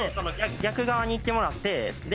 逆側に行ってもらってで。